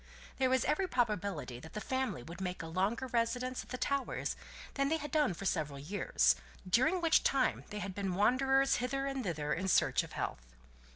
There was every probability that "the family" would make a longer residence at the Towers than they had done for several years, during which time they had been wanderers hither and thither in search of health.